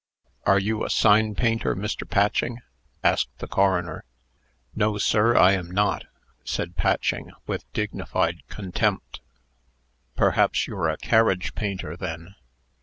"Are you a sign painter, Mr. Patching?" asked the coroner. "No, sir; I am not," said Patching, with dignified contempt. "Perhaps you're a carriage painter, then?